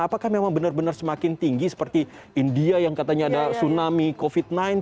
apakah memang benar benar semakin tinggi seperti india yang katanya ada tsunami covid sembilan belas